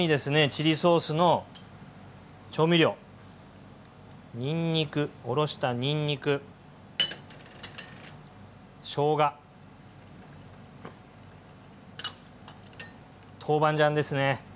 チリソースの調味料にんにくおろしたにんにくしょうが豆板醤ですね。